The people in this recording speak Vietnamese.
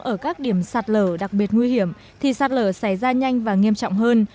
ở các điểm sạt lở đặc biệt nguy hiểm thì sạt lở sẽ ra nhanh và nghiêm trọng hơn